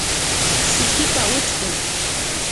sikipa uchkun